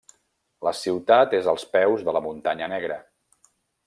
La ciutat és als peus de la Muntanya Negra.